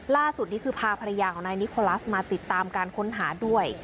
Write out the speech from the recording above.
ล่าสุดนี้คือพาภรรยาของนายนิโคลัสมาติดตามการค้นหาด้วย